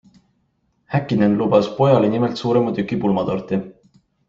Häkkinen lubas pojale nimelt suurema tüki pulmatorti.